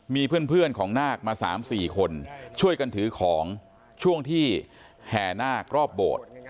มีเพื่อนเพื่อนของนาคมาสามสี่คนช่วยกันถือของช่วงที่แห่นาครอบโบสถ